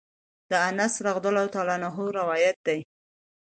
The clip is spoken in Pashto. د انس رضی الله عنه نه روايت دی: